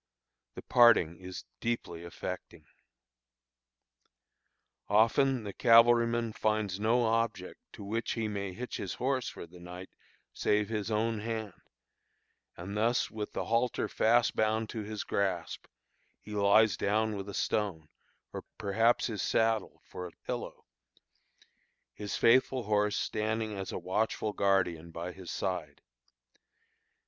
The parting is deeply affecting. Often the cavalryman finds no object to which he may hitch his horse for the night save his own hand; and thus with the halter fast bound to his grasp he lies down with a stone, or perhaps his saddle, for a pillow, his faithful horse standing as a watchful guardian by his side.